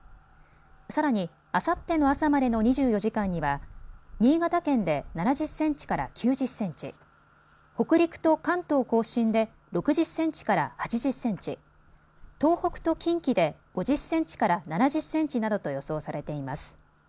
さらに、あさっての朝までの２４時間には新潟県で７０センチから９０センチ、北陸と関東甲信で６０センチから８０センチ、東北と近畿で５０センチから７０センチなどと予想されています。